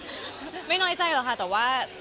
แต่ว่าเราสองคนเห็นตรงกันว่าก็คืออาจจะเรียบง่าย